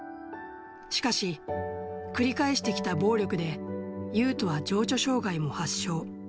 しかし、繰り返してきた暴力で、ユウトは情緒障がいも発症。